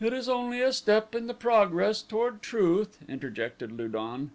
"It is only a step in the progress toward truth," interjected Lu don.